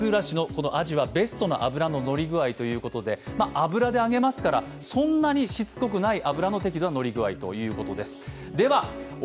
油で揚げますから、そんなに脂っぽくない、適度な乗り具合ということです。